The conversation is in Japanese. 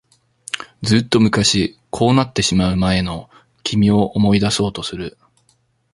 ずっと昔、こうなってしまう前の君を思い出そうとする。